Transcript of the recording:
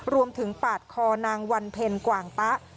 รวมถึงปาดคอนางวันเพ็ญกว่างตะ